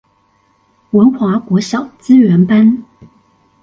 文華國小資源班